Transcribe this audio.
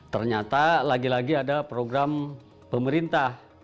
ternyata lagi lagi ada program pemerintah